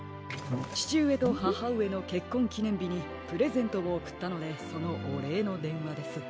ちちうえとははうえのけっこんきねんびにプレゼントをおくったのでそのおれいのでんわです。